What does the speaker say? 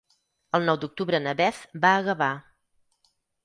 El nou d'octubre na Beth va a Gavà.